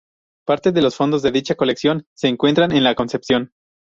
Parte de los fondos de dicha colección se encuentran en la Concepción.